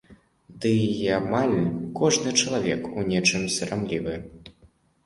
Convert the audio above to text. Ды і амаль кожны чалавек у нечым сарамлівы.